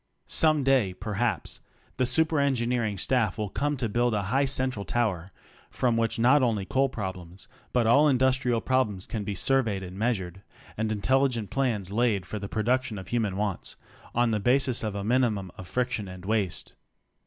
^ome day perhaps the super engineering staff will come to build a high central tower from which not only coal prob lems but all industrial problems can be surveyed and meas ured, and intelligent plans laid for the production of human wants on the basis of a minimum of friction and waste.